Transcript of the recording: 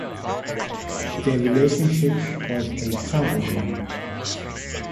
Their relationship was a troubled one.